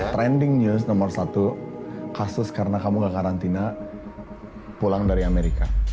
trending news nomor satu kasus karena kamu gak karantina pulang dari amerika